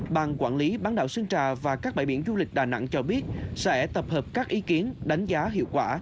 ban quản lý bán đảo sơn trà và các bãi biển du lịch đà nẵng cho biết sẽ tập hợp các ý kiến đánh giá hiệu quả